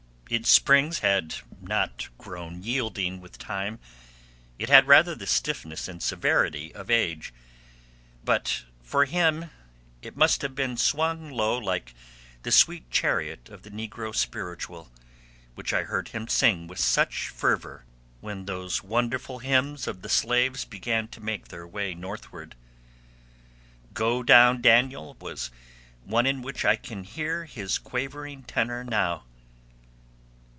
Its springs had not grown yielding with time; it had rather the stiffness and severity of age; but for him it must have swung low like the sweet chariot of the negro "spiritual" which I heard him sing with such fervor, when those wonderful hymns of the slaves began to make their way northward. 'Go Down, Daniel', was one in which I can hear his quavering tenor now.